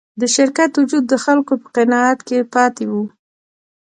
د شرکت وجود د خلکو په قناعت کې پاتې و.